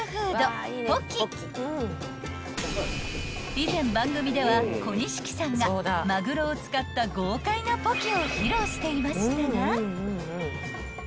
［以前番組ではＫＯＮＩＳＨＩＫＩさんがマグロを使った豪快なポキを披露していましたが］